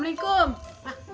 bimbing lo sudah di sana